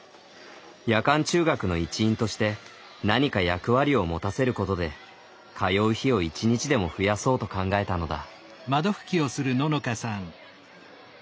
夜間中学の一員として何か役割を持たせることで通う日を一日でも増やそうと考えたのだ。